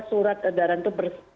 surat edaran itu